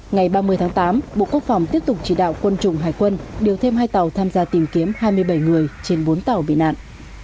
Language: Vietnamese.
ngày ba mươi tháng tám bộ quốc phòng tiếp tục chỉ đạo quân chủng hải quân điều thêm hai tàu tham gia tìm kiếm hai mươi bảy người trên bốn tàu bị nạn